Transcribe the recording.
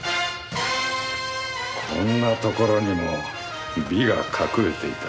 こんなところにも美が隠れていた。